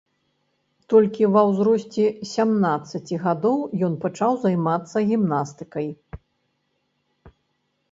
Толькі ва ўзросце сямнаццаці гадоў ён пачаў займацца гімнастыкай.